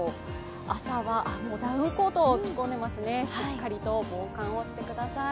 朝はダウンコートを着込んでいますね、しっかりと防寒をしてください。